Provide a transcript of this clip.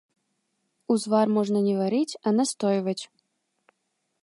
Узвар можна не варыць, а настойваць.